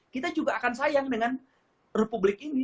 kita juga akan sayang dengan republik ini